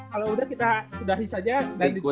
kalau udah kita sudah his aja